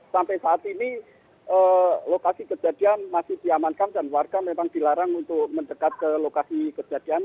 sampai saat ini lokasi kejadian masih diamankan dan warga memang dilarang untuk mendekat ke lokasi kejadian